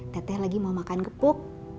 teteh lagi mau makan gepuk